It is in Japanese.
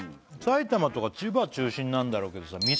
埼玉とか千葉中心なんだろうけどさ